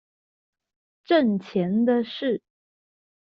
掙錢的事